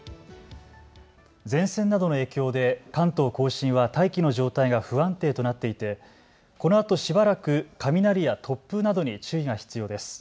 前線などの影響で関東甲信は大気の状態が不安定となっていてこのあとしばらく雷や突風などに注意が必要です。